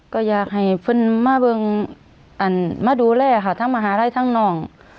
ก็อยากให้เพื่อนมาเบิ้งมาดูแลค่ะทั้งมหาลัยทั้งน้อง